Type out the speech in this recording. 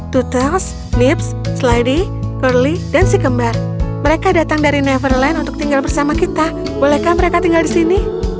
toottles nips slidy curley dan si kembar mereka datang dari neverland untuk tinggal bersama kita bolehkah mereka tinggal di sini